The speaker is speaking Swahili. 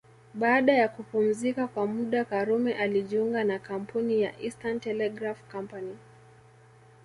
Baada ya kupumzika kwa muda Karume alijiunga na kampuni ya Eastern Telegraph Company